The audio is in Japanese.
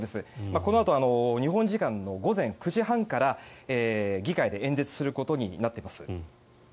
このあと日本時間午前９時半から議会で演説することになっています。